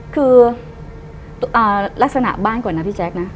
คือลักษณะบ้านก่อนนะพี่แจ๊คนะ